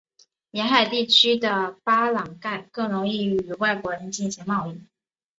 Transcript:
沿海地区的巴朗盖更容易与外国人进行贸易。